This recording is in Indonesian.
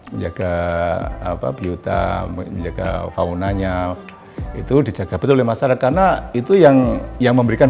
menjaga apa biota menjaga faunanya itu dijaga betul oleh masyarakat karena itu yang yang memberikan